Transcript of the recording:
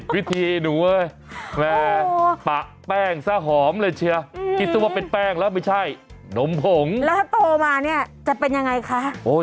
ไม่เป็นเรียวสันแล้วค่ะ